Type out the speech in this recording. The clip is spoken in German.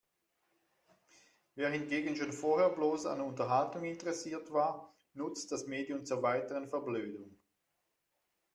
Wer hingegen schon vorher bloß an Unterhaltung interessiert war, nutzt das Medium zur weiteren Verblödung.